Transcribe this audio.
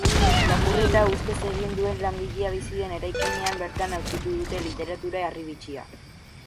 Lapurreta ustez egin duen langilea bizi den eraikinean bertan aurkitu dute literatura harribitxia.